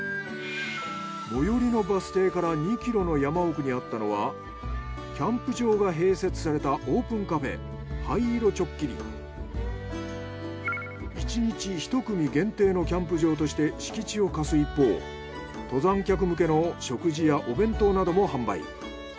最寄りのバス停から２ｋｍの山奥にあったのはキャンプ場が併設されたオープンカフェ一日１組限定のキャンプ場として敷地を貸す一方登山客向けの食事やお弁当なども販売。